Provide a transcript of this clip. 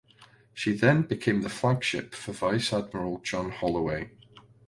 She then became the flagship for Vice Admiral John Holloway.